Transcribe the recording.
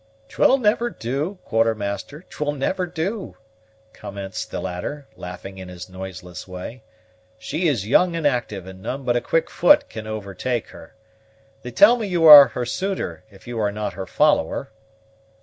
"'Twill never do, Quartermaster, 'twill never do," commenced the latter, laughing in his noiseless way; "she is young and active, and none but a quick foot can overtake her. They tell me you are her suitor, if you are not her follower."